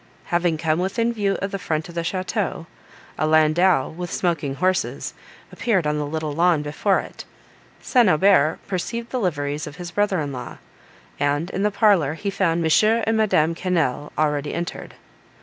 Having come within view of the front of the château, a landau, with smoking horses, appeared on the little lawn before it. St. Aubert perceived the liveries of his brother in law, and in the parlour he found Monsieur and Madame Quesnel already entered.